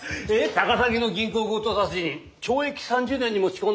高崎の銀行強盗殺人懲役３０年に持ち込んだって？